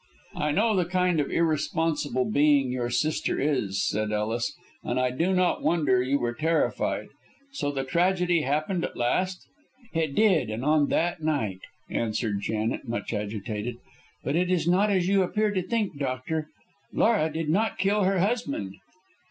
"I know the kind of irresponsible being your sister is," said Ellis, "and I do not wonder you were terrified. So the tragedy happened at last?" "It did, and on that night," answered Janet, much agitated. "But it is not as you appear to think, doctor. Laura did not kill her husband."